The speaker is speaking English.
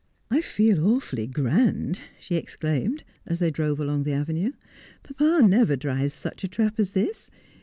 ' I feel awfully grand,' she exclaimed, as they drove along the avenue. ' Papa never drives such a trap as this.